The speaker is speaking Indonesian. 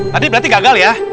tadi berarti gagal ya